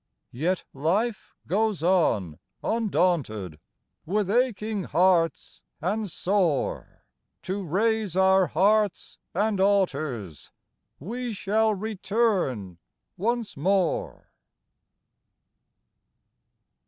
Yet life goes on undaunted: With aching hearts, and sore, To raise our hearths and altars We shall return once more.